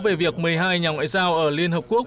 về việc một mươi hai nhà ngoại giao ở liên hợp quốc